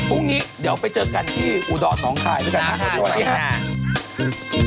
พรุ่งนี้เดี๋ยวไปเจอกันที่อุดรน้องค่ายด้วยกันค่ะ